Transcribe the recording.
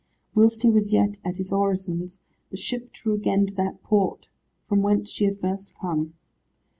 Whilst he was yet at his orisons, the ship drew again to that port, from whence she had first come.